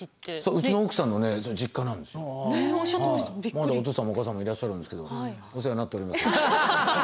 まだお父さんもお母さんもいらっしゃるんですけどお世話になっております。